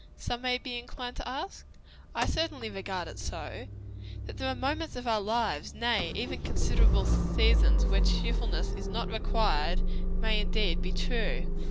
some may be inclined to ask. I certainly regard it so. That there are moments of our lives nay, even considerable seasons when cheerfulness is not required, may, indeed, be true.